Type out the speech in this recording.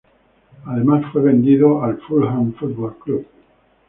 Además, fue vendido al Fulham Football Club.